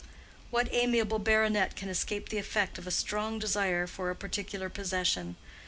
What amiable baronet can escape the effect of a strong desire for a particular possession?